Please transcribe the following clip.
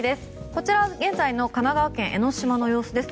こちらは現在の神奈川県・江の島の様子です。